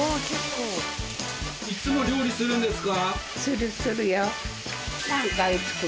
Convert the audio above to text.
いつも料理するんですか？